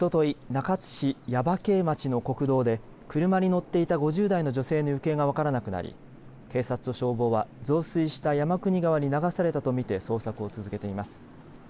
中津市耶馬渓町の国道で車に乗っていた５０代の女性の行方が分からなくなり警察と消防は増水した山国川に流されたと見て捜索を続けています。